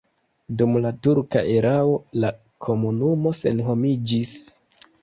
Dum la turka erao la komunumo senhomiĝis.